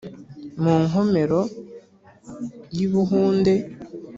Mu Nkomero y'i Buhunde